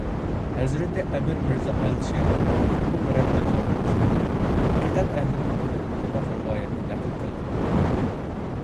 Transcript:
ھەزرىتى ئەمىر مىرزا ئەلىشىر -ئۇنىڭغا رەھمەتلەر بولسۇن- ھەقىقەت ئەھلىنىڭ تىلىدىن مۇنداق رىۋايەتنى نەقىل كەلتۈرىدۇ: